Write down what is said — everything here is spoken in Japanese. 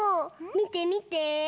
みてみて。